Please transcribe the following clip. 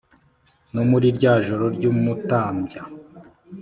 no muri rya joro ry'umutambya